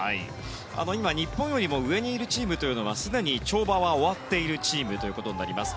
今、日本よりも上にいるチームはすでに跳馬は終わっているチームになります。